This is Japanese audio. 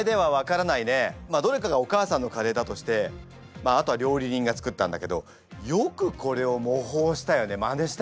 どれかがお母さんのカレーだとしてあとは料理人が作ったんだけどよくこれを模倣したよねまねしたよね。